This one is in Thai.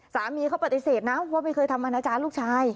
สามีเขาปฏิเสธนะว่าไม่เคยทำอนาจารย์ลูกชาย